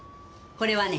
これはね